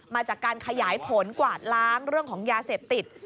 มาจากการขยายผลกวาดล้างเรื่องของยาเสพติด